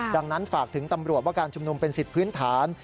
ดังนั้นฝากถึงตำรวจว่าการชุมนุมเป็นสิทธิ์พื้นฐาน